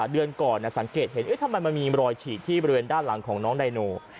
เดือนก่อนสังเกตเห็นทำไมมันมีรอยฉีกที่บริเวณด้านหลังของน้องไดโน